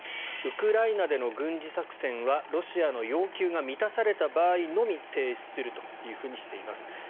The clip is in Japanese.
ウクライナでの軍事作戦はロシアの要求が満たされた場合のみ停止するというふうにしています。